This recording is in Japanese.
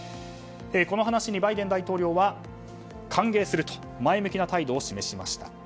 この話にバイデン大統領は歓迎すると前向きな態度を示しました。